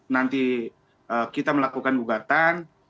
nanti kita melakukan bugatan